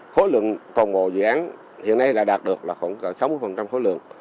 khối lượng còn ngồi dự án hiện nay đã đạt được khoảng sáu mươi khối lượng